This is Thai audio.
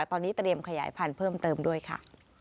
ตอนนี้เตรียมขยายพันธุ์เพิ่มเติมด้วยค่ะ